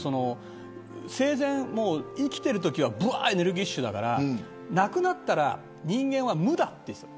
生前、生きてるときはエネルギッシュだから亡くなったら人間は無だと言ってた。